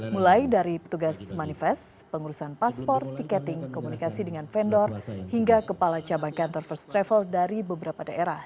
mulai dari petugas manifest pengurusan paspor tiketing komunikasi dengan vendor hingga kepala cabang kantor first travel dari beberapa daerah